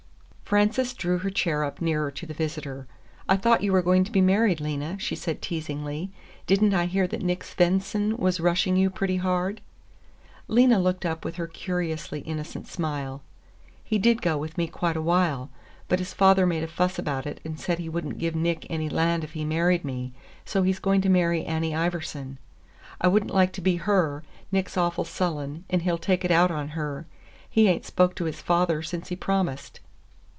Frances drew her chair up nearer to the visitor. "I thought you were going to be married, Lena," she said teasingly. "Did n't I hear that Nick Svendsen was rushing you pretty hard?" Lena looked up with her curiously innocent smile. "He did go with me quite a while. But his father made a fuss about it and said he would n't give Nick any land if he married me, so he's going to marry Annie Iverson. I would n't like to be her; Nick's awful sullen, and he'll take it out on her. He ain't spoke to his father since he promised."